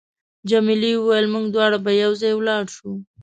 جميلې وويل: موږ دواړه به یو ځای ولاړ شو.